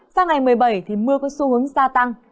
sang ngày một mươi bảy thì mưa có xu hướng gia tăng